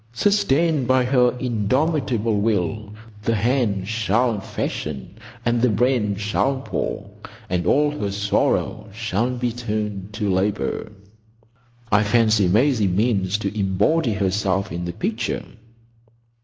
Sustained by her indomitable will, The hands shall fashion, and the brain shall pore, And all her sorrow shall be turned to labour—— I fancy Maisie means to embody herself in the picture."